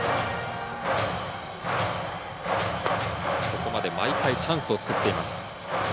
ここまで毎回チャンスを作っています。